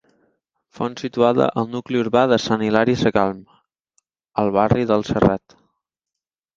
Font situada al nucli urbà de Sant Hilari Sacalm, al barri del Serrat.